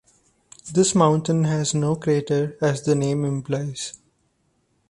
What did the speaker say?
This mountain has no crater as the name implies.